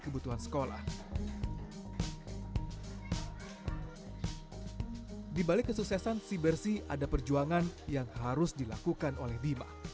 kebutuhan sekolah di balik kesuksesan si bersih ada perjuangan yang harus dilakukan oleh bima